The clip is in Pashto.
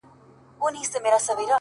ورور مي دی هغه دی ما خپله وژني-